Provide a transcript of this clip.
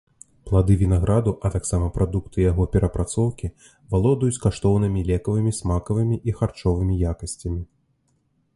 Плады вінаграду, а таксама прадукты яго перапрацоўкі валодаюць каштоўнымі лекавымі, смакавымі і харчовымі якасцямі.